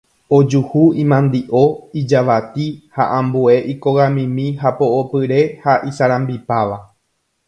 Ojuhu imandi'o, ijavati ha ambue ikogamimi hapo'opyre ha isarambipáva.